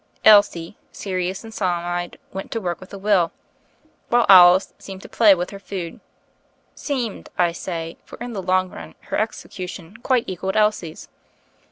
Elsie, serious and solemn eyed, went to work with a will; while Alice seemed to play with her food ; seemed^ I say, for in the long run, her execution quite equalled Elsie's.